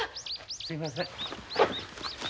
すいません。